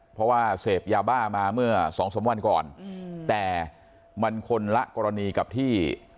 เพราะว่าเสพยาบ้ามาเมื่อสองสามวันก่อนแต่มันคนละกรณีกับที่